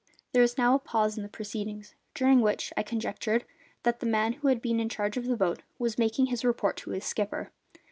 There was now a pause in the proceedings, during which, I conjectured, the man who had been in charge of the boat was making his report to his skipper.